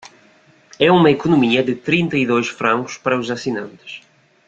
É uma economia de trinta e dois francos para os assinantes.